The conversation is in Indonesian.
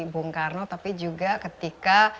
bung karno tapi juga ketika